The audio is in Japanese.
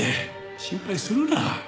心配するな。